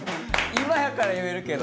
今やから言えるけど。